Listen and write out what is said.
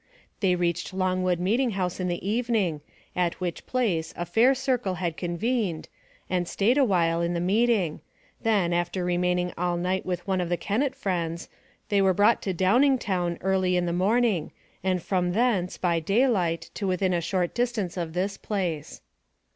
They reached Longwood meeting house in the evening, at which place a Fair Circle had convened, and stayed a while in the meeting, then, after remaining all night with one of the Kennet friends, they were brought to Downingtown early in the morning, and from thence, by daylight, to within a short distance of this place.